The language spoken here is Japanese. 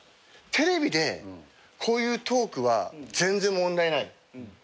テレビでこういうトークは全然問題ない。